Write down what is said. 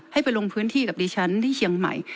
ให้ไปลงพื้นที่กับดิฉันที่เชียงใหม่